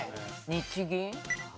日銀。